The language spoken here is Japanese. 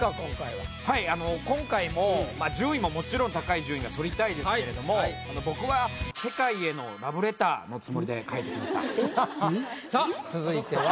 はい今回も順位ももちろん高い順位が取りたいですけれども僕は。のつもりで書いてきました。